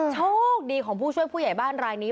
โชคดีของผู้ช่วยผู้ใหญ่บ้านรายนี้